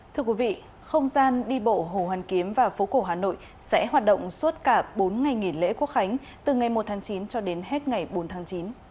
thưa quý vị không gian đi bộ hồ hoàn kiếm và phố cổ hà nội sẽ hoạt động suốt cả bốn ngày nghỉ lễ quốc khánh từ ngày một tháng chín cho đến hết ngày bốn tháng chín